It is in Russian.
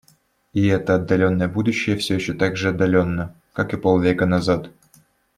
И это отдаленное будущее все еще так же отдалённо, как и полвека назад.